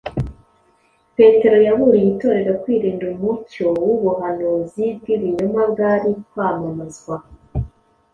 Petero yaburiye Itorero kwirinda umucyo w’ubuhanuzi bw’ibinyoma bwari kwamamazwa